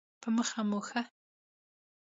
په مخه مو ښه